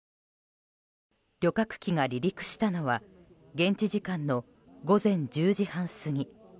旅客機が離陸したのは現地時間の午前１０時半過ぎ。